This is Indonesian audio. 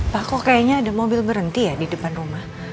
pak kok kayaknya ada mobil berhenti ya di depan rumah